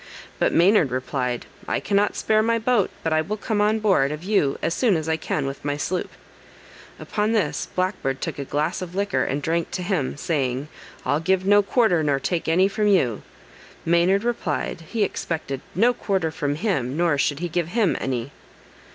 But Maynard replied, "I cannot spare my boat, but I will come on board of you as soon as I can with my sloop." Upon this Black Beard took a glass of liquor and drank to him, saying, "I'll give no quarter nor take any from you." Maynard replied, "He expected no quarter from him, nor should he give him any."